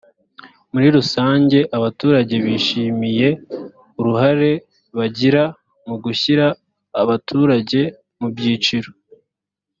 muri rusange abaturage bishimiye uruhare bagira mu gushyira abaturage mu byiciro